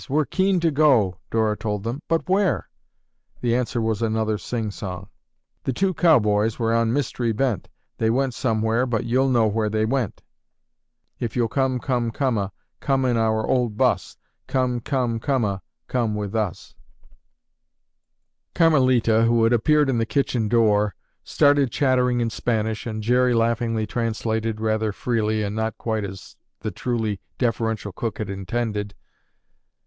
We're keen to go," Dora told them, "but where?" The answer was another sing song: "The two cowboys were on mystery bent. They went somewhere, but you'll know where they went If you'll come, come, coma, Come in our old 'bus, Come, come, coma, Come with us." Carmelita, who had appeared in the kitchen door, started chattering in Spanish and Jerry laughingly translated, rather freely, and not quite as the truly deferential cook had intended.